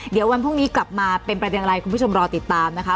เดี๋ยววันพรุ่งนี้กลับมาเป็นประเด็นอะไรคุณผู้ชมรอติดตามนะคะ